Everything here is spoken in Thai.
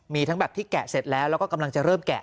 มีทั้งแบบที่แกะเสร็จแล้วแล้วก็กำลังจะเริ่มแกะ